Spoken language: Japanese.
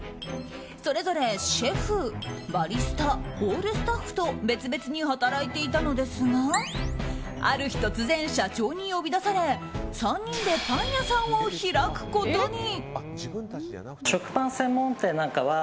それぞれ、シェフ、バリスタホールスタッフと別々に働いていたのですがある日突然、社長に呼び出され３人でパン屋さんを開くことに。